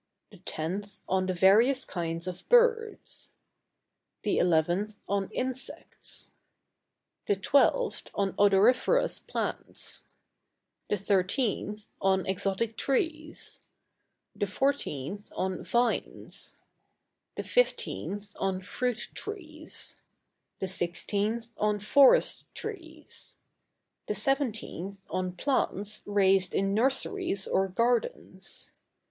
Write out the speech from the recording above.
The 10th on the various kinds of Birds. The 11th on Insects. The 12th on Odoriferous Plants. The 13th on Exotic Trees. The 14th on Vines. The 15th on Fruit Trees. The 16th on Forest Trees. The 17th on Plants raised in nurseries or gardens.